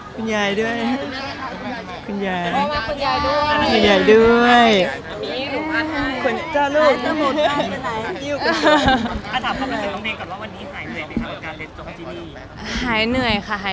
แกมมี่มาเร็ว